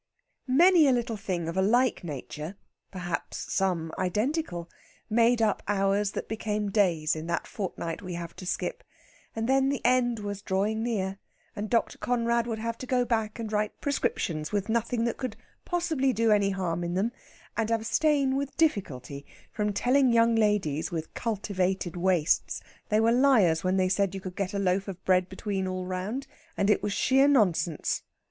Many a little thing of a like nature perhaps some identical made up hours that became days in that fortnight we have to skip, and then the end was drawing near; and Dr. Conrad would have to go back and write prescriptions with nothing that could possibly do any harm in them, and abstain with difficulty from telling young ladies with cultivated waists they were liars when they said you could get a loaf of bread between all round, and it was sheer nonsense.